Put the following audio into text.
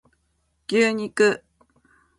牛肉